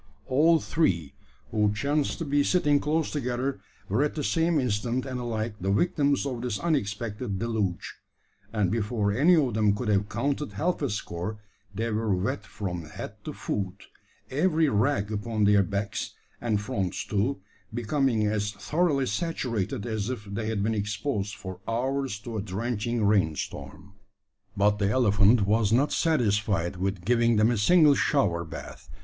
All three, who chanced to be sitting close together, were at the same instant, and alike, the victims of this unexpected deluge; and before any of them could have counted half a score, they were wet from head to foot, every rag upon their backs, and fronts too, becoming as thoroughly saturated as if they had been exposed for hours to a drenching rain storm! But the elephant was not satisfied with giving them a single shower bath.